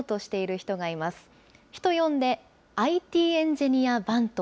人呼んで、ＩＴエンジニア番頭。